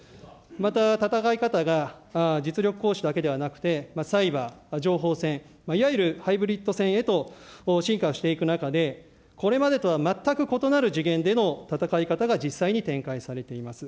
また、戦い方が実力行使だけではなくてサイバー、情報戦、いわゆるハイブリッド戦へと深化していく中で、これまでとは全く異なる次元での戦い方が実際に展開されています。